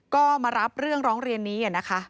ก็มารับเรื่องร้องเรียนนี้นะคะ